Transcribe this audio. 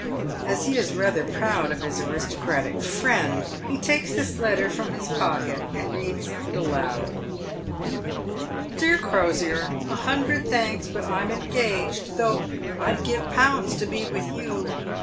As he is rather proud of his aristocratic friend, he takes this letter from his pocket and reads it aloud :"' Dear Crosier, — A hundred thanks, but I'm engaged, though I'd give pounds to be with you.